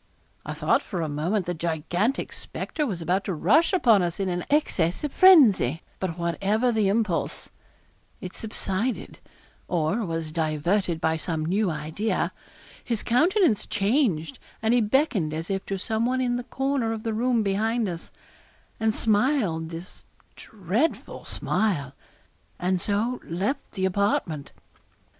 I thought for a moment the gigantic spectre was about to rush upon us in an access of frenzy; but whatever the impulse, it subsided or was diverted by some new idea; his countenance changed, and he beckoned as if to some one in the corner of the room behind us, and smiled his dreadful smile, and so left the apartment.